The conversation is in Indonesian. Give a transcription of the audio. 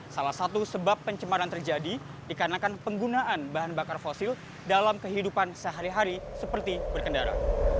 salah satu sebab pencemaran terjadi dikarenakan penggunaan bahan bakar fosil dalam kehidupan sehari hari seperti berkendara